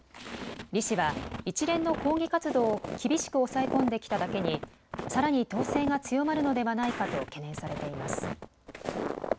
李氏は一連の抗議活動を厳しく抑え込んできただけにさらに統制が強まるのではないかと懸念されています。